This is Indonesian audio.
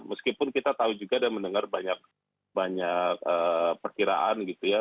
meskipun kita tahu juga dan mendengar banyak perkiraan gitu ya